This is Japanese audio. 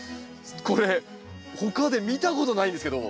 これ他で見たことないんですけど。